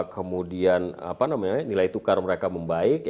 kemudian nilai tukar mereka membaik